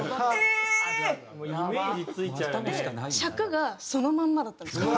尺がそのまんまだったんですよ。